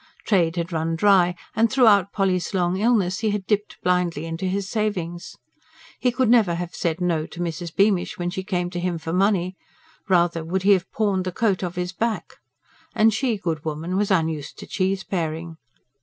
Trade had run dry, and throughout Polly's long illness he had dipped blindly into his savings. He could never have said no to Mrs. Beamish when she came to him for money rather would he have pawned the coat off his back. And she, good woman, was unused to cheeseparing.